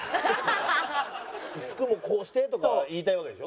服もこうしてとか言いたいわけでしょ？